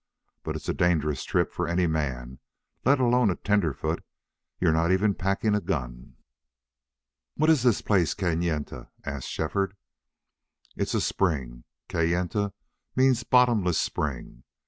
But it's a dangerous trip for any man, let alone a tenderfoot. You're not even packing a gun." "What's this place Kayenta?" asked Shefford. "It's a spring. Kayenta means Bottomless Spring.